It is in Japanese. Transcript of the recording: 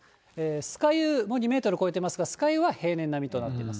酸ヶ湯も２メートル超えていますが、酸ヶ湯は平年並みとなっています。